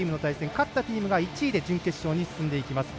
勝ったチームが１位で準決勝に進出します。